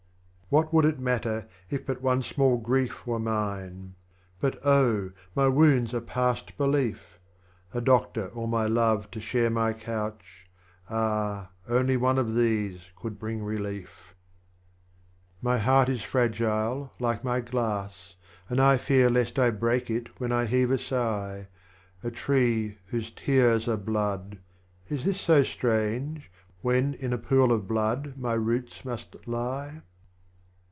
51. What would it matter if but one small Grief Were mine ? but Oh, my Wounds are past belief ! A Doctor or my Love to share my Couch â€" Ah, only one of these could bring Relief. 14 THE LAMENT OF 52. My Heart is fragile, like my Glass, and I Fear lest I break it when I heave a Sigh, A Tree whose Tears are Blood â€" is this so Strange, When in a Pool of Blood my Roots must lie